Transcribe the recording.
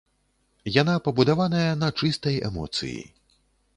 Яна пабудаваная на чыстай эмоцыі.